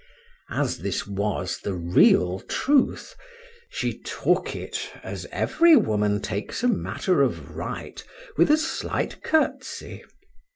As this was the real truth—she took it, as every woman takes a matter of right, with a slight curtsey.